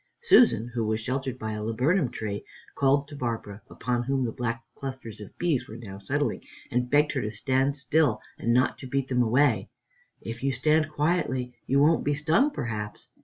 Susan, who was sheltered by a laburnum tree, called to Barbara, upon whom the black clusters of bees were now settling, and begged her to stand still and not to beat them away, "If you stand quietly you won't be stung, perhaps."